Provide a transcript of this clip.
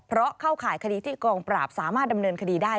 เพราะเข้าข่ายคดีที่กองปราบสามารถดำเนินคดีได้